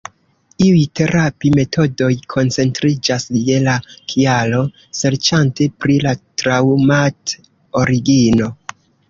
Iuj terapi-metodoj koncentriĝas je la kialo, serĉante pri la traŭmat-origino.